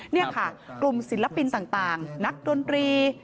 นี่ค่ะกลุ่มศิลปินต่างนักดนตรี